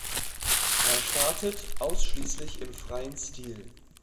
Er startet ausschließlich im freien Stil.